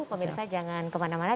pemirsa jangan kemana mana